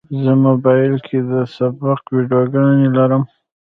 زه موبایل کې د سبق ویډیوګانې لرم.